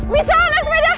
bisa anda sepeda